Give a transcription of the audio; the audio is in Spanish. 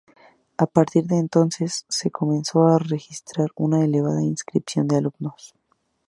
A partir de entonces se comenzó a registrar una elevada inscripción de alumnos.